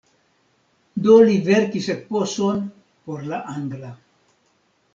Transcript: Do li verkis eposon por la angla.